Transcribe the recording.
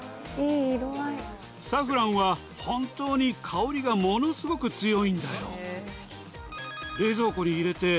・いい色合い・サフランは本当に香りがものすごく強いんだよ。